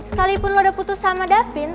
sekalipun lo udah putus sama davin